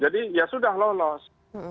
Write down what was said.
jadi ya sudah lolos